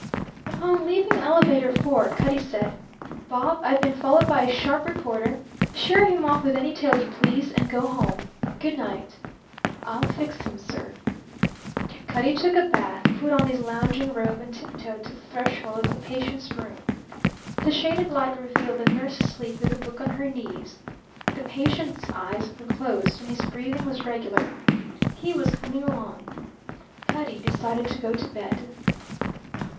Upon leaving Elevator Four Cutty said: "Bob, I've been followed by a sharp reporter. Sheer him off with any tale you please, and go home. Goodnight." "I'll fix him, sir." Cutty took a bath, put on his lounging robe, and tiptoed to the threshold of the patient's room. The shaded light revealed the nurse asleep with a book on her knees. The patient's eyes were closed and his breathing was regular. He was coming along. Cutty decided to go to bed.